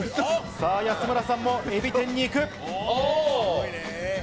さあ、安村さんもエビ天にいく。